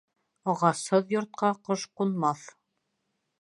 Ағасһыҙ йортҡа ҡош ҡунмаҫ